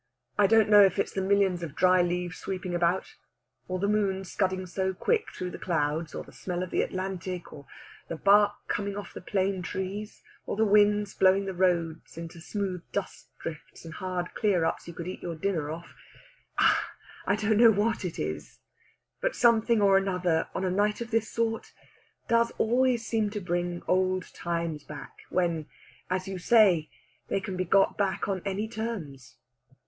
"I don't know if it's the millions of dry leaves sweeping about, or the moon scudding so quick through the clouds, or the smell of the Atlantic, or the bark coming off the plane trees, or the wind blowing the roads into smooth dust drifts and hard clear ups you could eat your dinner off I don't know what it is, but something or another on a night of this sort does always seem to bring old times back, when, as you say, they can be got back on any terms."